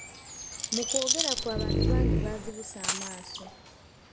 Mu kwongera kwe abantu bangi bazibuse amaaso.